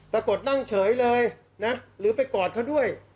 ปรากฏนั่งเฉยเลยนะหรือไปกอดเขาด้วย